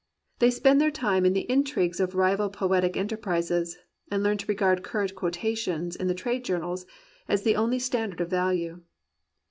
They spend their time in the intrigues of rival poetic enterprises, and learn to regard current quotations in the trade journals as the only standard of value.